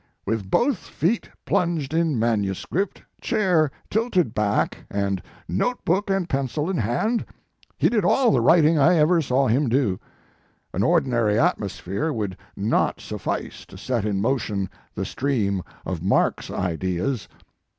With both feet plunged in manuscript, chair tilted back and note book and pencil in hand he did all the writing I ever saw him do. An ordinary atmosphere would not suffice to set in motion the stream of Mark s ideas.